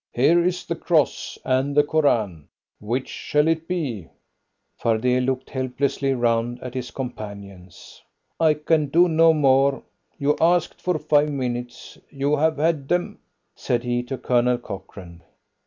Here is the cross and the Koran which shall it be?" Fardet looked helplessly round at his companions. "I can do no more; you asked for five minutes. You have had them," said he to Colonel Cochrane.